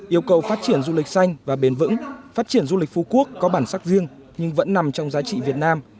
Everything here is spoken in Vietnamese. yêu cầu phát triển du lịch xanh và bền vững phát triển du lịch phú quốc có bản sắc riêng nhưng vẫn nằm trong giá trị việt nam